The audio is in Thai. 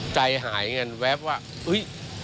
ใจหายกันแว๊บว่าอุ๊ย